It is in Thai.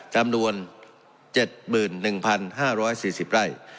จำนวน๗๑๕๔๐ไร่